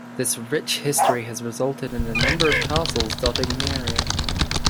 This rich history has resulted in a number of castles dotting the area.